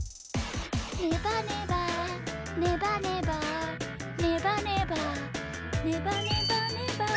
「ねばねばねばねば」「ねばねばねばねばねば」